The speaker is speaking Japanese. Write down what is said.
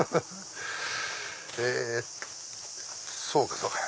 えそうかそうか。